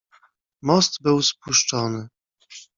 "Most był spuszczony."